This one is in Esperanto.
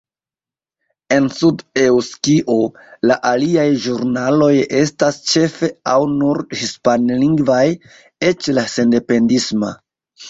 En Sud-Eŭskio, la aliaj ĵurnaloj estas ĉefe aŭ nur hispanlingvaj, eĉ la sendependisma.